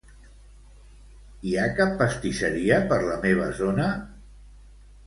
Hi ha cap pastisseria per la meva zona?